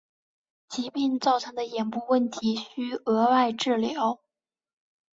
疾病造成的眼部问题需额外治疗。